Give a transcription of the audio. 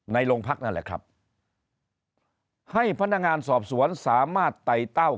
โรงพักนั่นแหละครับให้พนักงานสอบสวนสามารถไต่เต้า